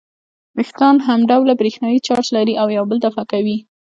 وېښتان همډوله برېښنايي چارج لري او یو بل دفع کوي.